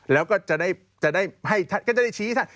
แล้วก็จะได้ชี้ท่าน